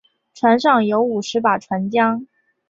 船上有五十把船浆。